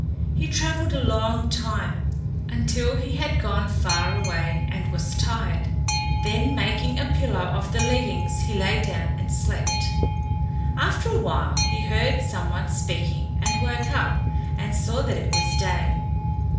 He travelled a long time, until he had gone far and was tired; then making a pillow of the leggings he lay down and slept. After a while he heard some one speaking and woke up and saw that it was day.